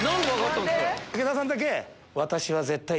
池田さんだけ。